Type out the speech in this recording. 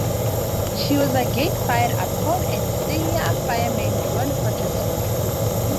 She was again fired upon, and a sailor, fireman Duane Hodges, was killed.